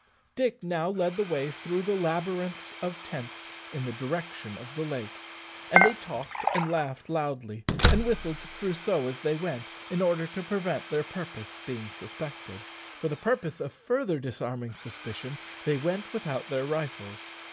Dick now led the way through the labyrinths of tents in the direction of the lake, and they talked and laughed loudly, and whistled to Crusoe as they went, in order to prevent their purpose being suspected. For the purpose of further disarming suspicion, they went without their rifles.